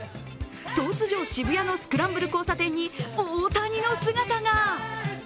突如、渋谷のスクランブル交差点に大谷の姿が。